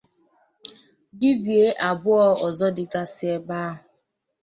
bibie abụọ ọzọ dịgasị ebe ahụ